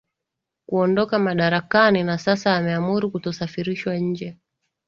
kuondoka madarakani na sasa ameamuru kutosafirishwa nje